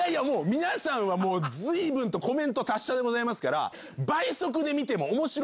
皆さんは随分とコメント達者でございますから。